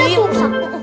iya tuh ustaz